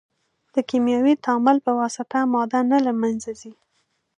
د کیمیاوي تعامل په واسطه ماده نه له منځه ځي.